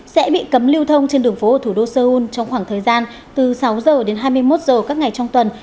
sẽ bị cấm lưu thông trên đường phố thủ đô seoul trong khoảng thời gian từ sáu giờ đến hai mươi một giờ các ngày trong tuần